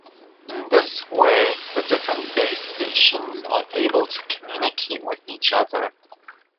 In this way the different base stations are able to communicate with each other.